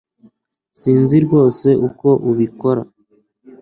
Sinzi rwose uko ubikora